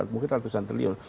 mungkin ratusan triliun